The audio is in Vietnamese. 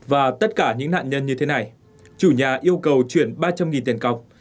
và tất cả những nạn nhân như thế này chủ nhà yêu cầu chuyển ba trăm linh tiền cọc